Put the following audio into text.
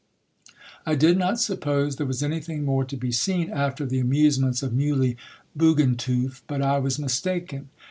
I did not suppose there was anything more to be seen after TJie Amusements c/ Mule)' Bugentuf, but I was mistaken.